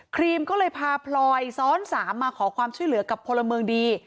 ครีมก็เลยพาพลอยซ้อน๓มาขอความช่วยเหลือกับพลเมืองดี